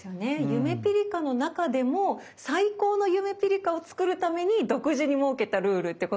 ゆめぴりかの中でも最高のゆめぴりかを作るために独自に設けたルールってことですよね。